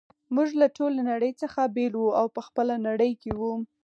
موږ له ټولې نړۍ څخه بیل وو او په خپله نړۍ کي وو.